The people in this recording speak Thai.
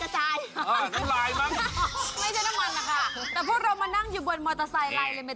ไม่ใช่น้ำมันนะคะแต่พวกเรามานั่งอยู่บนมอเตอร์ไซล์เลย